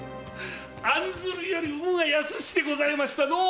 「案ずるより産むが易し」でございましたのう！